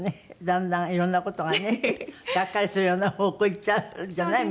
だんだんいろんな事がねがっかりするような方向にいっちゃうじゃない？